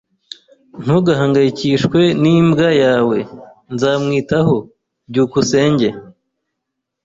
Ntugahangayikishwe n'imbwa yawe. Nzamwitaho. byukusenge